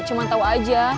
cuma tahu saja